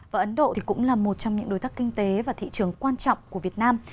và ấn độ thì cũng là một trong những đối tác kinh tế và thị trường quan trọng của việt nam